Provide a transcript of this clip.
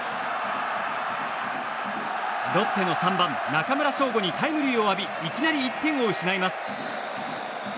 ロッテの３番、中村奨吾にタイムリーを浴びいきなり１点を失います。